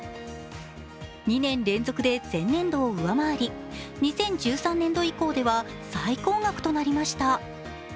２年連続で前年度を上回り２０１３年度以降では最高額となりました。